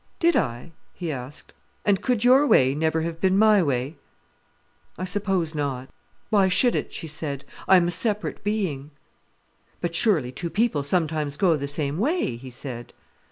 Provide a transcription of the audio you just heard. "Did I?" he asked. "And could your way never have been my way? I suppose not." "Why should it?" she said. "I am a separate being." "But surely two people sometimes go the same way," he said.